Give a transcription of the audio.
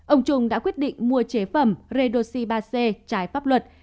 ông trung đã quyết định mua chế phẩm redoxi ba c trái pháp luật